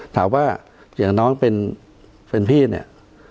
ถามว่าอย่างน้องเป็นพี่เนี่ย